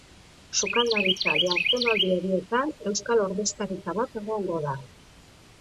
Sukaldaritza jardunaldi horietan euskal ordezkaritza bat egongo da.